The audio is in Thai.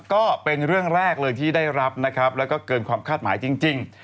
ก็เป็นเรื่องแรกเลยที่ได้รับนะครับแล้วก็เกินความคาดหมายจริง